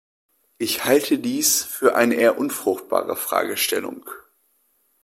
Ich halte dies für eine eher unfruchtbare Fragestellung.